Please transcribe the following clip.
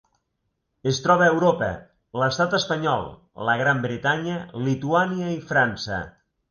Es troba a Europa: l'Estat espanyol, la Gran Bretanya, Lituània i França.